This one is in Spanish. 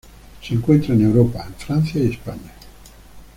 Se encuentra en Europa en Francia y España.